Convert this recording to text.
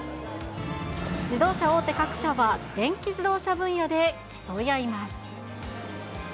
自動車大手各社は、電気自動車分野で競い合います。